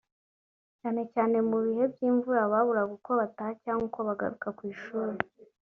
cyane cyane mu bihe by’imvura baburaga uko bataha cyangwa uko bagaruka ku ishuri